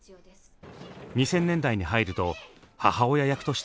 ２０００年代に入ると母親役としても活躍。